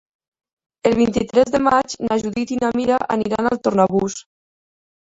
El vint-i-tres de maig na Judit i na Mira aniran a Tornabous.